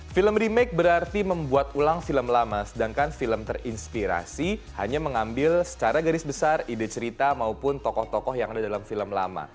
film remake berarti membuat ulang film lama sedangkan film terinspirasi hanya mengambil secara garis besar ide cerita maupun tokoh tokoh yang ada dalam film lama